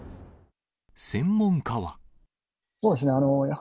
専門家は。